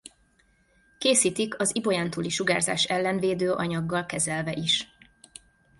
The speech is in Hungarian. Készítik az ibolyántúli sugárzás ellen védő anyaggal kezelve is.